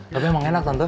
tapi emang enak tante